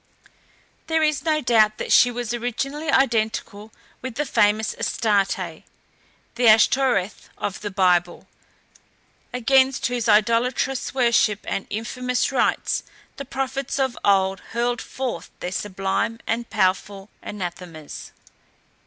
There is no doubt that she was originally identical with the famous Astarté, the Ashtoreth of the Bible, against whose idolatrous worship and infamous rites the prophets of old hurled forth their sublime and powerful anathemas.